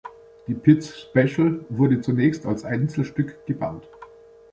Die Pitts Special wurde zunächst als Einzelstück gebaut.